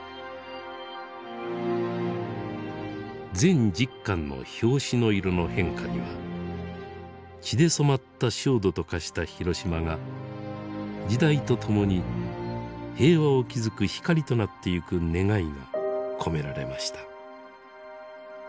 全１０巻の表紙の色の変化には血で染まった焦土と化した広島が時代とともに平和を築く光となってゆく願いが込められました。